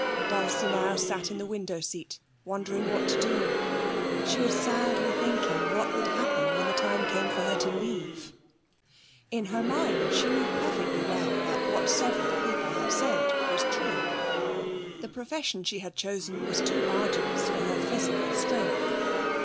Dulcie now sat in the window seat, wondering what to do. She was sadly thinking what would happen when the time came for her to leave. In her mind she knew perfectly well that what several people had said was true: the profession she had chosen was too arduous for her physical strength.